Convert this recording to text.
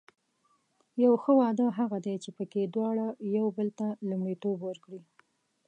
یو ښه واده هغه دی چې پکې دواړه یو بل ته لومړیتوب ورکړي.